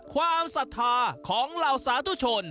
ความศรัทธาของเหล่าสาธุชน